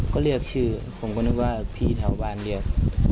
ก็เรียกชื่อผมก็นึกว่าพี่แถวบ้านเรียก